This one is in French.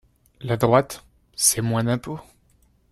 La droite, c’est moins d’impôts.